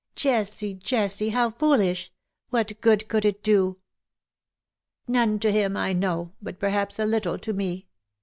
''^" Jessie, Jessie, how foolish ! What good could it do ?''^ None to him, I know, but perhaps a little to me.